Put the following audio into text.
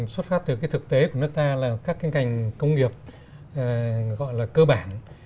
xuất phát từ cái thực tế của nước ta là các cái ngành công nghiệp gọi là cơ bản